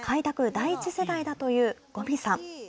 第１世代だという五味さん。